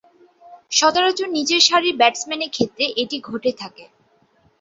সচরাচর নিচের সারির ব্যাটসম্যানের ক্ষেত্রে এটি ঘটে থাকে।